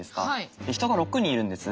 で人が６人いるんです。